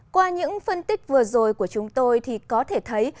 qua những phân tích vừa rồi của chúng tôi thì có thể thấy